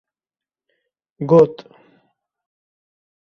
Got: